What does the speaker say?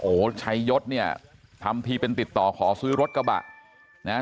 โอ้โหชัยยศเนี่ยทำทีเป็นติดต่อขอซื้อรถกระบะนะฮะ